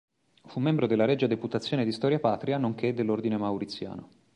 Fu membro della Regia Deputazione di storia patria, nonché dell'Ordine Mauriziano.